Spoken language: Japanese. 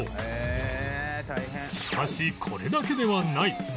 しかしこれだけではない